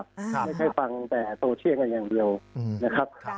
ไม่ใช่ฟังแต่โซเชียลกันอย่างเดียวนะครับ